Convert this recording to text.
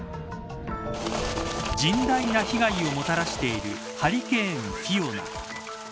甚大な被害をもたらしているハリケーン、フィオナ。